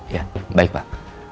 ya baik pak